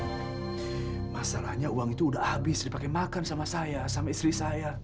nah masalahnya uang itu udah habis dipakai makan sama saya sama istri saya